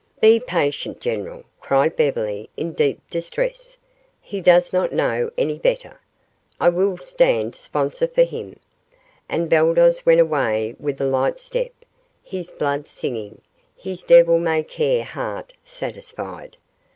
"Be patient, general," cried Beverly in deep distress. "He does not know any better. I will stand sponsor for him." And Baldos went away with a light step, his blood singing, his devil may care heart satisfied.